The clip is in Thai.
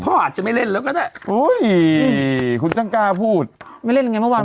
เขาอาจจะไม่เล่นแล้วก็ได้อุ้ยคุณช่างกล้าพูดไม่เล่นไงเมื่อวาน